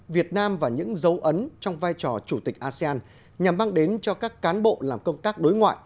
việt nam và những dấu ấn trong vai trò chủ tịch asean nhằm mang đến cho các cán bộ làm công tác đối ngoại